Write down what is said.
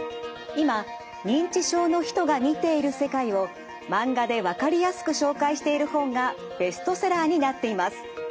今認知症の人が見ている世界をマンガでわかりやすく紹介している本がベストセラーになっています。